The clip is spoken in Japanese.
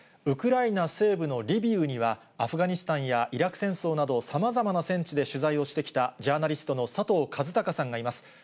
ウクライナ西部のリビウには、アフガニスタンやイラク戦争など、さまざまな戦地で取材をしてきたジャーナリストの佐藤和孝さんがいます。